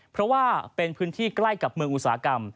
เพราะว่าเป็นพื้นที่ใกล้กับเมืองอุตสาหกรรม